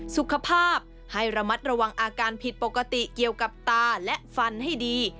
สุขภาพให้ระมัดระวังอาการผิดปกติเกี่ยวกับตาและฟันให้ดี